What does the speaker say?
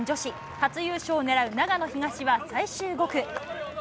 初優勝を狙う長野東は、最終５区。